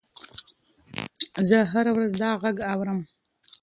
زه هره ورځ دا غږ اورم.